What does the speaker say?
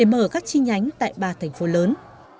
mở các chi nhánh tại ba thành phố lớn